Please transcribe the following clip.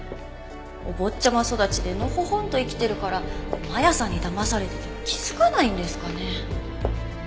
お坊ちゃま育ちでのほほんと生きてるから真弥さんにだまされてても気づかないんですかね。